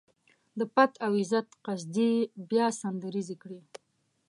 د پت او عزت قصيدې يې بيا سندريزې کړې.